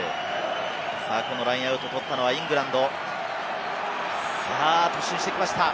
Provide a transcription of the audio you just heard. このラインアウト取ったのはイングランド、さぁ突進してきました。